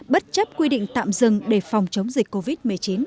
bất chấp quy định tạm dừng để phòng chống dịch covid một mươi chín